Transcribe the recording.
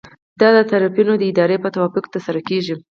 دا د طرفینو د ارادې په توافق ترسره کیږي.